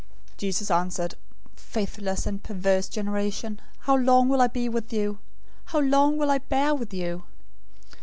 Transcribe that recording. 017:017 Jesus answered, "Faithless and perverse generation! How long will I be with you? How long will I bear with you?